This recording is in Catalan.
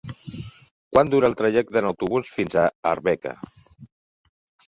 Quant dura el trajecte en autobús fins a Arbeca?